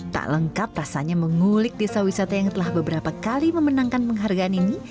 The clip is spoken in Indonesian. tak lengkap rasanya mengulik desa wisata yang telah beberapa kali memenangkan penghargaan ini